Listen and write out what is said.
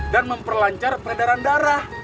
dan memperlancar peredaran darah